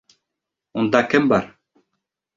Унда кем бар?